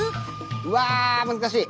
うわ難しい！